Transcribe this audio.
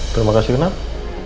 terima kasih kenapa